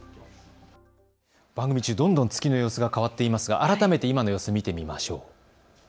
番組中、どんどん月の様子が変わっていますが改めて今の様子を見てみましょう。